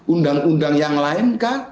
undang undang yang lain kah